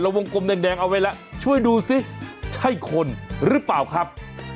วงกลมแดงเอาไว้แล้วช่วยดูสิใช่คนหรือเปล่าครับ